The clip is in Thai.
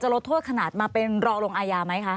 ลดโทษขนาดมาเป็นรอลงอายาไหมคะ